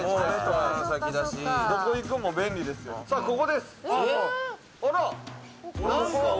ここです。